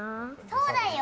そうだよ。